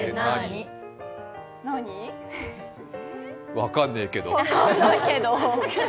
分かんねぇけど。